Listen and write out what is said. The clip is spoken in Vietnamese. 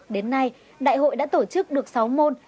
đến nay đại hội đã tổ chức được sáu môn